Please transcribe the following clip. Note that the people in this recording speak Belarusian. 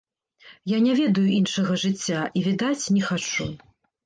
Я не ведаю іншага жыцця і, відаць, не хачу.